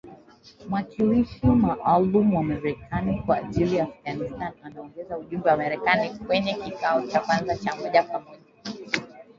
Mwakilishi maalum wa Marekani kwa ajili ya Afghanistan anaongoza ujumbe wa Marekani kwenye kikao cha kwanza kwa njia ya moja kwa moja.